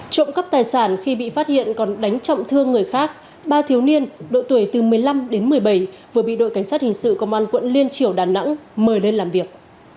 trộm cắp tài sản khi bị phát hiện còn đánh trọng thương người khác ba thiếu niên độ tuổi từ một mươi năm đến một mươi bảy vừa bị đội cảnh sát hình sự công an quận liên triểu đà nẵng mời lên làm việc